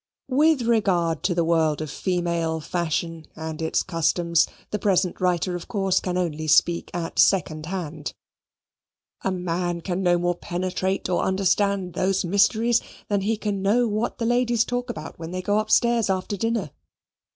With regard to the world of female fashion and its customs, the present writer of course can only speak at second hand. A man can no more penetrate or understand those mysteries than he can know what the ladies talk about when they go upstairs after dinner.